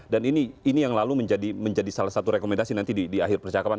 dan ini yang lalu menjadi salah satu rekomendasi nanti di akhir percakapan